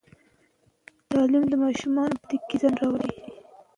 تعلیم د ماشومانو په واده کې ځنډ راولي.